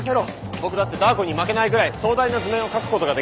僕だってダー子に負けないぐらい壮大な図面を描くことができる。